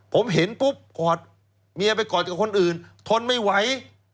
ผมเห็นปุ๊บกอดเมียไปกอดกับคนอื่นทนไม่ไหว